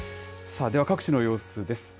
さあ、では各地の様子です。